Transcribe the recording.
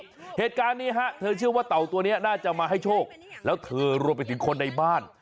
เหตุการณ์นี้ฮะเธอเชื่อว่าเต่าตัวนี้น่าจะมาให้โชคแล้วเธอรวมไปถึงคนในบ้าน